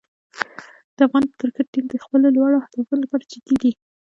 د افغان کرکټ ټیم د خپلو لوړو هدفونو لپاره جدي دی.